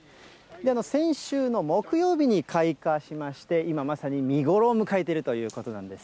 先週の木曜日に開花しまして、今まさに見頃を迎えているということなんです。